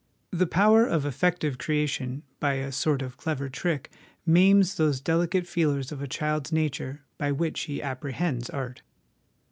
The power of effective creation by a sort of clever trick maims those delicate feelers of a child's nature by which he apprehends art.